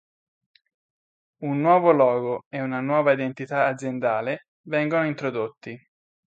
Un nuovo logo e una nuova identità aziendale vengono introdotti.